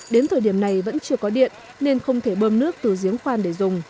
đến thời điểm này vẫn chưa có điện nên không thể bơm nước từ giếng khoan để dùng